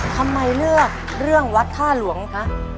ทำไมเลือกเรื่องวัดท่าหลวงคะ